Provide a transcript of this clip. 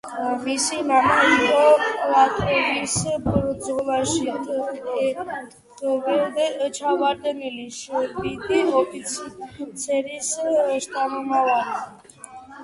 მისი მამა იყო პოლტავის ბრძოლაში ტყვედ ჩავარდნილი შვედი ოფიცრის შთამომავალი.